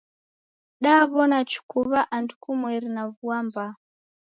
Daw'ona chukuw'a andu kumweri na vua mbaa.